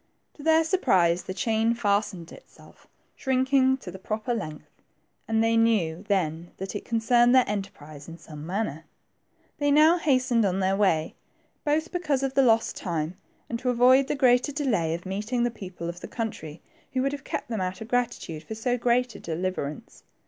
To their surprise, the chain fastened itself, shrinking to the proper length, and they knew then that it concerned their enterprise in some manner. They now hastened on their way, both because of the lost time, and to avoid the greater delay of meet ing the people of the country, who would have kept them out of gratitude for so great a deliverance.